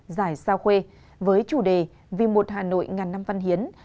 giải sao khuê với chủ đề vì một hà nội ngàn năm văn hiến